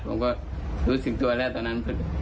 ผมก็รู้สึกตัวแล้วตอนนั้น